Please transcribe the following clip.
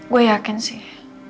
gue yakin sih